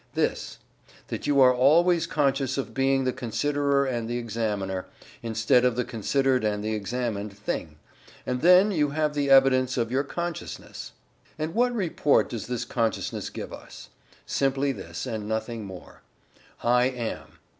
This: that you are always conscious of being the considerer and examiner, instead of the considered and examined thing and then, you have the evidence of your consciousness. And what report does this consciousness give us? Simply this, and nothing more: "I AM."